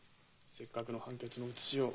せっかくの判決の写しを。